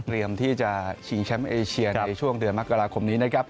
เตรียมที่จะชิงแชมป์เอเชียในช่วงเดือนมกราคมนี้